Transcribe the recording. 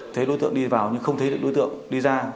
thấy đối tượng đi vào nhưng không thấy được đối tượng đi ra